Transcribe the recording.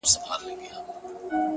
د اسرافیل شپېلۍ ته اور ورته کومه ځمه’